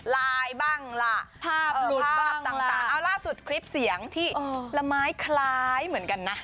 ไลน์บ้างล่ะภาพต่างเอ้าล่าสุดคลิปเสียงที่ละไม้ไคร้เหมือนกันนะ